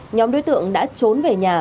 nhóm đối tượng đã trốn về nhà